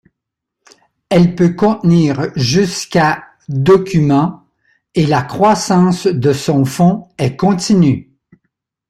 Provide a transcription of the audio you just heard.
Elle peut contenir jusqu’à documents, et la croissance de son fonds est continue.